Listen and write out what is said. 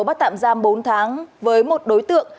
bắt tạm giam bốn tháng với một đối tượng